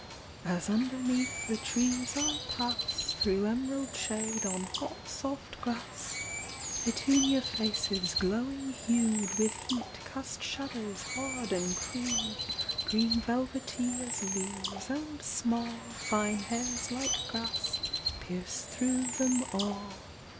AS underneath the trees I pass Through emerald shade on hot soft grass, Petunia faces glowing hued With heat cast shadows hard and crude Green velvety as leaves, and small Fine hairs like grass pierce through them all.